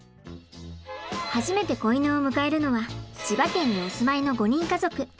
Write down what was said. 初めて子犬を迎えるのは千葉県にお住まいの５人家族。